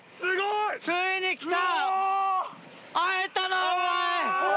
ついにきた！